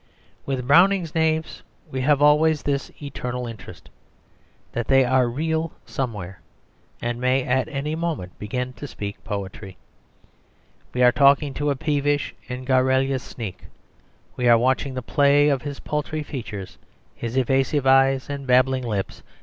With Browning's knaves we have always this eternal interest, that they are real somewhere, and may at any moment begin to speak poetry. We are talking to a peevish and garrulous sneak; we are watching the play of his paltry features, his evasive eyes, and babbling lips.